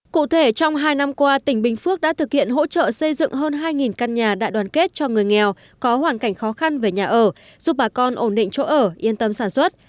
cụ thể trong hai năm qua tỉnh bình phước đã thực hiện hỗ trợ xây dựng hơn hai căn nhà đại đoàn kết cho người nghèo có hoàn cảnh khó khăn về nhà ở giúp bà con ổn định chỗ ở yên tâm sản xuất